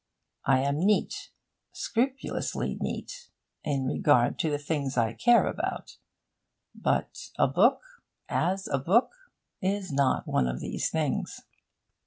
I am neat, scrupulously neat, in regard to the things I care about; but a book, as a book, is not one of these things.